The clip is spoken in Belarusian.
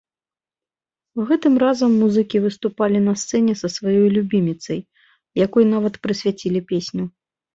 Гэтым разам музыкі выступалі на сцэне са сваёй любіміцай, якой нават прысвяцілі песню.